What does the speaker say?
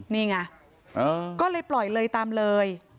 นี่ไงก็เลยปล่อยเลยตามเลย